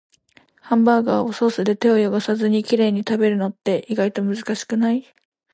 ハンバーガーをソースで手を汚さずにきれいに食べるのって、意外と難しくない？